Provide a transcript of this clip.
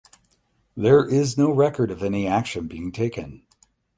There is no record of any action being taken.